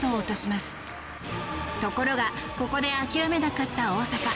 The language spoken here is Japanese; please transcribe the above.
ところがここで諦めなかった大坂。